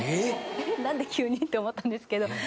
何で急にって思ったんですけど。